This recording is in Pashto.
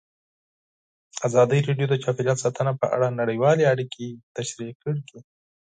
ازادي راډیو د چاپیریال ساتنه په اړه نړیوالې اړیکې تشریح کړي.